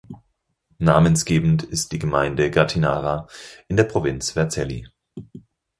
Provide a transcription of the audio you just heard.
Namensgebend ist die Gemeinde Gattinara in der Provinz Vercelli.